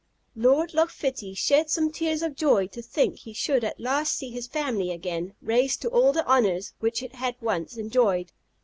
Lord Loch Fitty shed some tears of joy to think he should at last see his family again raised to all the honours which it had once enjoyed.